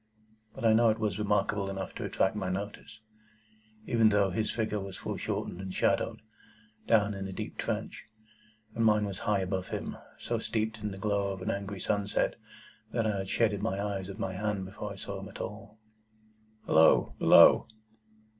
But I know it was remarkable enough to attract my notice, even though his figure was foreshortened and shadowed, down in the deep trench, and mine was high above him, so steeped in the glow of an angry sunset, that I had shaded my eyes with my hand before I saw him at all. "Halloa! Below!"